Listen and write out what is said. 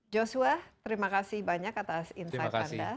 joshua terima kasih banyak atas insight anda